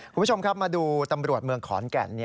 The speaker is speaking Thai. คุณผู้ชมครับมาดูตำรวจเมืองขอนแก่น